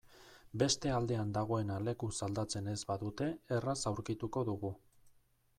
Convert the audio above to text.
Beste aldean dagoena lekuz aldatzen ez badute erraz aurkituko dugu.